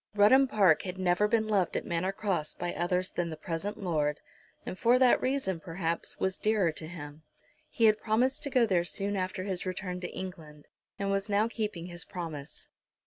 Rudham Park had never been loved at Manor Cross by others than the present Lord, and for that reason, perhaps, was dearer to him. He had promised to go there soon after his return to England, and was now keeping his promise.